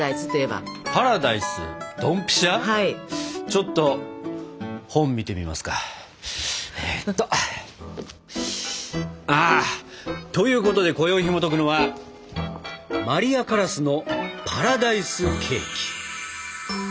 ちょっと本見てみますか。ということでこよいひもとくのは「マリア・カラスのパラダイスケーキ」。